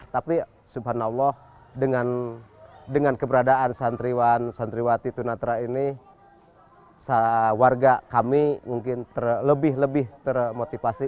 tapi subhanallah dengan keberadaan santriwan santriwati tunanetra ini warga kami mungkin lebih lebih termotivasi